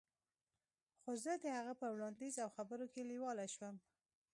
خو زه د هغه په وړاندیز او خبرو کې لیواله شوم